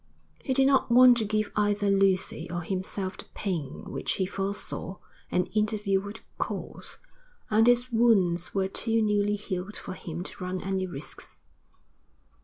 He did not want to give either Lucy or himself the pain which he foresaw an interview would cause, and his wounds were too newly healed for him to run any risks.